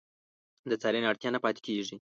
د څارنې اړتیا نه پاتې کېږي.